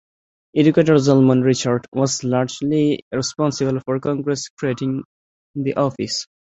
Educator Zalmon Richards was largely responsible for Congress creating the Office.